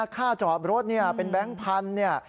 ค่าจอดรถเป็นแบงค์พันนี่